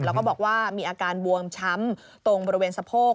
แล้วก็บอกว่ามีอาการบวมช้ำตรงบริเวณสะโพก